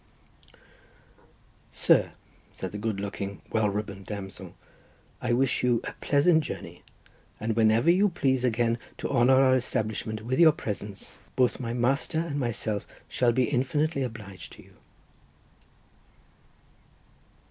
"Sir," said the good looking, well ribboned damsel, "I wish you a pleasant journey, and whenever you please again to honour our establishment with your presence, both my master and myself shall be infinitely obliged to you."